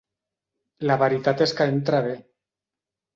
La veritat és que entra bé.